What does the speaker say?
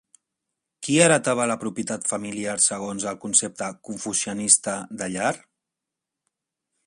Qui heretava la propietat familiar segons el concepte confucianista de llar?